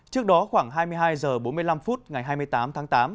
trước đó khoảng hai mươi hai h bốn mươi năm phút ngày hai mươi tám tháng tám